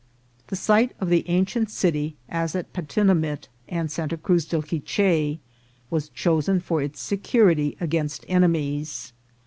The site of the ancient city, as at Patinamit and Santa Cruz del Quiche, was chosen for its security against enemies.